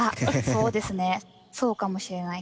そうかもしれない。